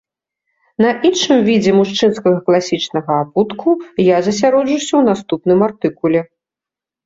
На іншым відзе мужчынскага класічнага абутку я засяроджуся ў наступным артыкуле.